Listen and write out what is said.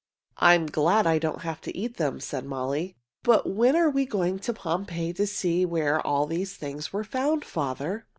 "I am glad I don't have to eat them," said Molly. "But when are we going to Pompeii to see where all these things were found, father?"